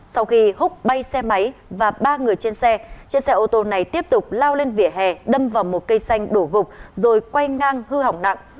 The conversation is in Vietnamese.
sau khi hút bay xe máy và ba người trên xe chiếc xe ô tô này tiếp tục lao lên vỉa hè đâm vào một cây xanh đổ gục rồi quay ngang hư hỏng nặng